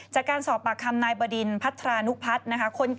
จากการสอบปากคำนายบดินพัฒนานุพัฒน์นะคะ